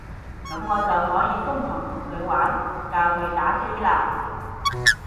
噉我就可以瘋狂同佢玩，教佢打機喇